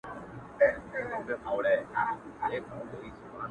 ته وې چي زه ژوندی وم! ته وې چي ما ساه اخیسته!